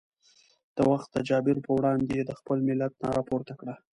د وخت د جابر پر وړاندې یې د خپل ملت ناره پورته کړه.